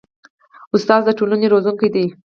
ښوونکي د ټولنې روزونکي دي